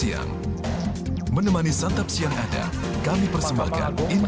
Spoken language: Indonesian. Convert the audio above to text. selain menangani kondisi darurat secara medis hubungi nomor telepon dua puluh satu lima ratus sembilan ratus sebelas